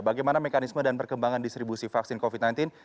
bagaimana mekanisme dan perkembangan distribusi vaksin covid sembilan belas